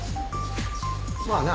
まあな。